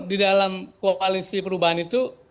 di dalam koalisi perubahan itu